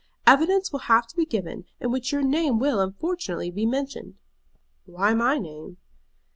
Evidence will have to be given, in which your name will, unfortunately, be mentioned." "Why my name?"